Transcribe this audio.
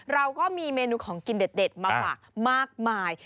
เราก็มีเมนูของกินเด็ดมาฝากมากมาย